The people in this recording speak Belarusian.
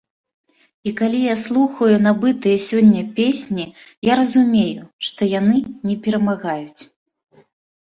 І калі я слухаю набытыя сёння песні, я разумею, што яны не перамагаюць.